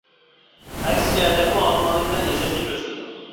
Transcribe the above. ئەكسىچە تېخىمۇ ئاقىلانىلىك بىلەن ياشاشنى كۆرسىتىدۇ.